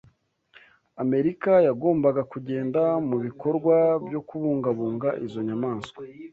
Amerika yagombaga kugenda mu bikorwa byo kubungabunga izo nyamaswa